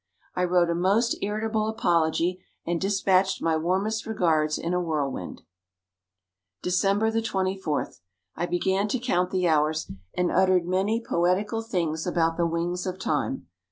I wrote a most irritable apology, and despatched my warmest regards in a whirlwind. December the twenty fourth I began to count the hours, and uttered many poetical things about the wings of Time.